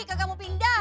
kagak mau pindah